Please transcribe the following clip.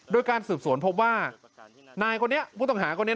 โดยการสืบสวนพบว่านายคนนี้ผู้ต้องหาคนนี้